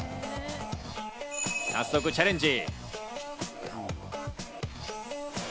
早速チャレンジ！